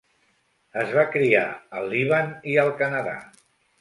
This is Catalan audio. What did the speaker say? Es va criar al Líban i al Canadà.